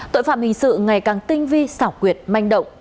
tội phạm hình sự ngày càng tinh vi xảo quyệt manh động